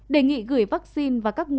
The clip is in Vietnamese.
đề nghị gửi vaccine và các nguồn